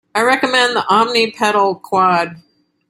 I recommend the Omni pedal Quad.